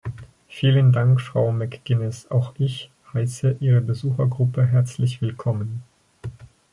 Vielen Dank, Frau McGuinness, auch ich heiße Ihre Besuchergruppe herzlich willkommen.